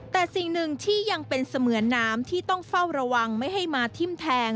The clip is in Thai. แต่สิ่งหนึ่งที่ยังเป็นเสมือนน้ำที่ต้องเฝ้าระวังไม่ให้มาทิ้มแทง